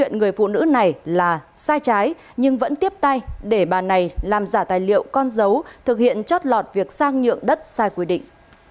người phụ nữ này là sai trái nhưng vẫn tiếp tay để bà này làm giả tài liệu con dấu thực hiện chót lọt việc sang nhượng đất sai quy định